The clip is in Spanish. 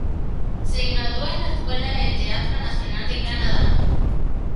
Se graduó en la Escuela de Teatro Nacional de Canadá.